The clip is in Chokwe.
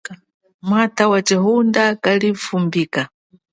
Mwata wachihunda kalivumbika.